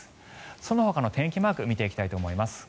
そのほかの天気マーク見ていきたいと思います。